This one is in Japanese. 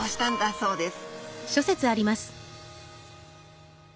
そうです。